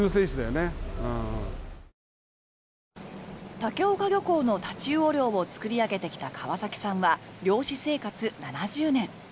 竹岡漁港のタチウオ漁を作り上げてきた川崎さんは漁師生活７０年。